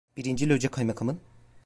Birinci loca kaymakamın…